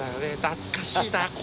懐かしいなここ